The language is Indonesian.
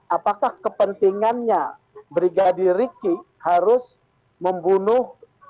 apakah kepentingannya brigadir riki harus membunuh